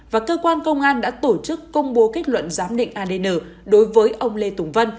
và cơ quan công an đã tổ chức công bố kết luận giám định adn đối với ông lê tùng vân